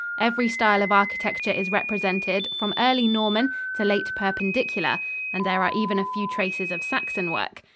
Every style of architecture is represented, from early Norman to late Perpendicular, and there are even a few traces of Saxon work.